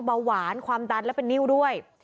เบาหวานความดันและเป็นนิ้วด้วย